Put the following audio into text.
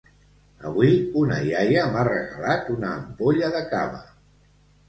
Avui una iaia m'ha regalat una ampolla de cava